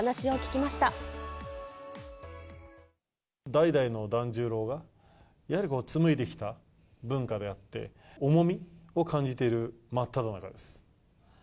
代々の團十郎がやはり紡いできた文化であって、重みを感じている真っただ中です。